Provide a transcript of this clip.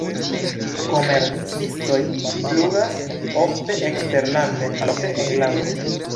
Komercistoj flugas ofte eksterlanden, malofte enlande.